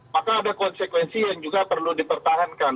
maka ada konsekuensi yang juga perlu dipertahankan